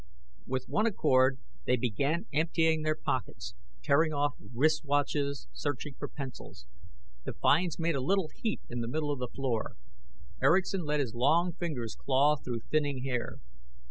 With one accord, they began emptying their pockets, tearing off wristwatches, searching for pencils. The finds made a little heap in the middle of the floor. Erickson let his long fingers claw through thinning hair.